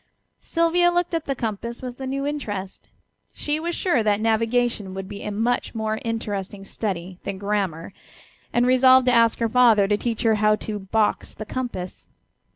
Sylvia looked at the compass with a new interest; she was sure that navigation would be a much more interesting study than grammar, and resolved to ask her father to teach her how to "box the compass."